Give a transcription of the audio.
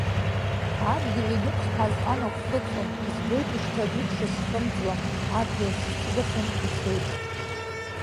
Адгьыл инықәҳаз анаҟәхыҵуам, избоит ушьҭа дук шысхымҵуа, адгьыл сыҵӷәасан ицоит.